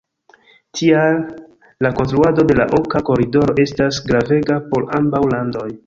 Tial, la konstruado de la Oka Koridoro estas gravega por ambaŭ landoj.